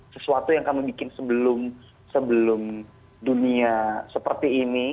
sesuatu yang kami bikin sebelum dunia seperti ini